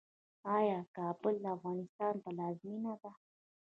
آیا کابل د افغانستان پلازمینه ده؟